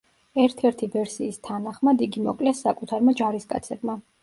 ერთ-ერთი ვერსიის თანახმად იგი მოკლეს საკუთარმა ჯარისკაცებმა.